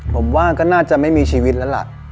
ผมว่าก็น่าจะไม่มีชีวิตแล้วล่ะ